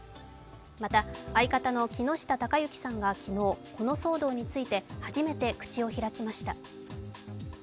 また相方の木下隆行さんが昨日、この騒動について初めて口を開きました。